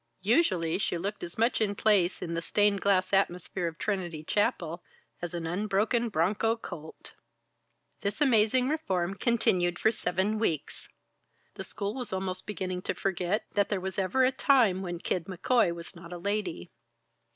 Usually she looked as much in place in the stained glass atmosphere of Trinity Chapel as an unbroken broncho colt. This amazing reform continued for seven weeks. The school was almost beginning to forget that there was ever a time when Kid McCoy was not a lady.